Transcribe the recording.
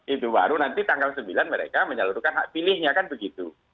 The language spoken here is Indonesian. itu baru nanti tanggal sembilan mereka menyalurkan hak pilihnya kan begitu